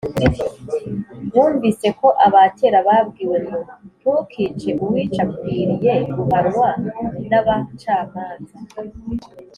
“Mwumvise ko abakera babwiwe ngo ‘Ntukice, uwica akwiriye guhanwa n’abacamanza.’